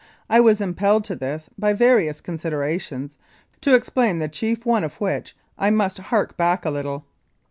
I was impelled to this by various considerations, to explain the chief one of which I must hark back a little.